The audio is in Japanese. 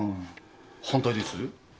反対です？